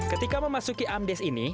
ketika memasuki amdes ini